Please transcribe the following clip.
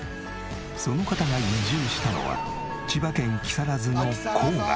その方が移住したのは千葉県木更津の郊外。